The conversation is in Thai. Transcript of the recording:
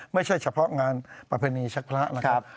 ไม่ใช่เฉพาะงานประเพณีชักพระนะครับ